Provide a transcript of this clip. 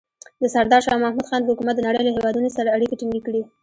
د سردار شاه محمود خان حکومت د نړۍ له هېوادونو سره اړیکې ټینګې کړې.